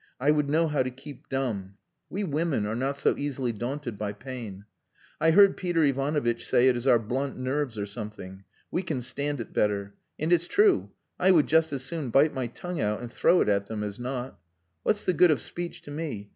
I would know how to keep dumb. We women are not so easily daunted by pain. I heard Peter Ivanovitch say it is our blunt nerves or something. We can stand it better. And it's true; I would just as soon bite my tongue out and throw it at them as not. What's the good of speech to me?